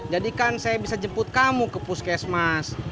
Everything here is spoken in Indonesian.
jadi kan saya bisa jemput kamu ke puskesmas